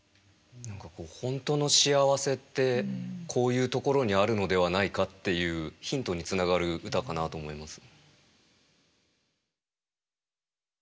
本当の幸せってこういうところにあるのではないかっていうヒントにつながる歌かなと思います。